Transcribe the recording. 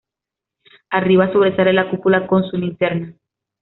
Arriba sobresale la cúpula con su linterna.